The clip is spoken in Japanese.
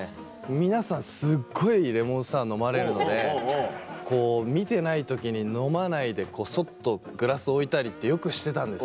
皆さんすっごいレモンサワー飲まれるので見てない時に飲まないでこそっとグラス置いたりってよくしてたんですよ。